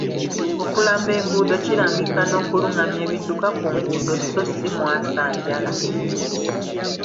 Okulamba enguudo kirambika n'okulungamya ebidduka ku nguudo zi mwasanjala.